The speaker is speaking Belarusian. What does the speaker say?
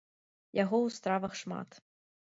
Яго ў стравах шмат.